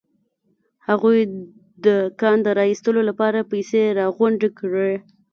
هغوی د کان د را ايستلو لپاره پيسې راغونډې کړې.